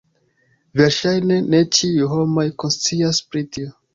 Verŝajne ne ĉiuj homoj konscias pri tio.